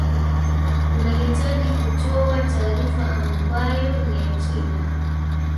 unahitaji kutoa taarifa ambayo ni ya kina